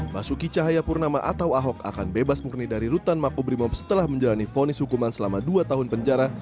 basuki cahayapurnama atau ahok akan bebas murni dari rutan makobrimob setelah menjalani fonis hukuman selama dua tahun penjara